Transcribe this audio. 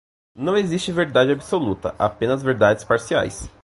Não existe verdade absoluta, apenas verdades parciais.